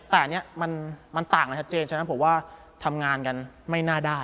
แต่อันนี้มันต่างกันชัดเจนฉะนั้นผมว่าทำงานกันไม่น่าได้